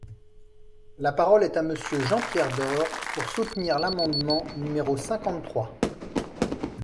La parole est à Monsieur Jean-Pierre Door, pour soutenir l’amendement numéro cinquante-trois.